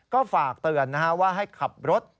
ก็ฝากเตือนนะครับว่าให้ขับรถ